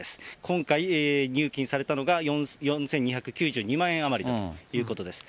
今回、入金されたのが４２９２万円余りということです。